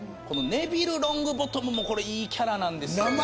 このネビル・ロングボトムもこれいいキャラなんですよ